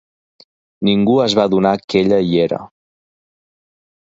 Ningú es va adonar que ella hi era.